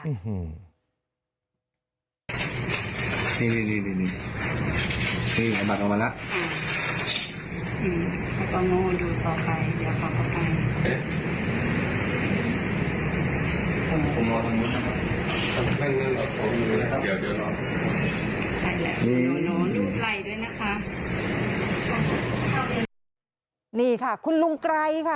นี่ค่ะคุณลุงไกรค่ะ